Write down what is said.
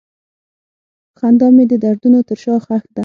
خندا مې د دردونو تر شا ښخ ده.